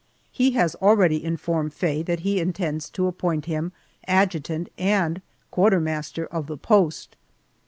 He has already informed Faye that he intends to appoint him adjutant and quartermaster of the post.